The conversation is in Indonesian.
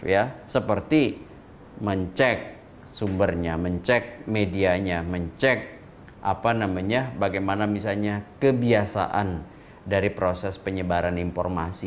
ya seperti mencek sumbernya mencek medianya mencek apa namanya bagaimana misalnya kebiasaan dari proses penyebaran informasi